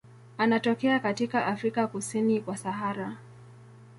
Anatokea katika Afrika kusini kwa Sahara.